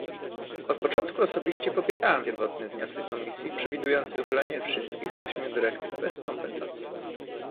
Od początku osobiście popierałem pierwotny wniosek Komisji przewidujący uchylenie wszystkich ośmiu dyrektyw bez kompensacji